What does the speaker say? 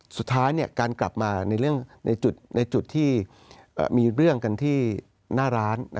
สุดท้ายการกลับมาในจุดที่มีเรื่องกันที่หน้าร้าน